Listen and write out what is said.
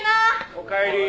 おかえり。